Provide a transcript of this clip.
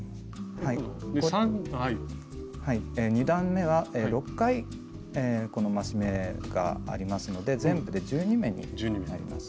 ２段めは６回この増し目がありますので全部で１２目になります。